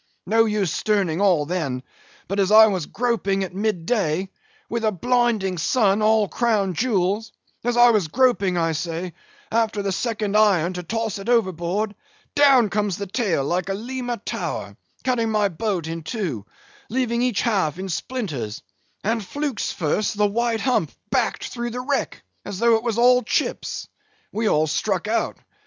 No use sterning all, then; but as I was groping at midday, with a blinding sun, all crown jewels; as I was groping, I say, after the second iron, to toss it overboard—down comes the tail like a Lima tower, cutting my boat in two, leaving each half in splinters; and, flukes first, the white hump backed through the wreck, as though it was all chips. We all struck out.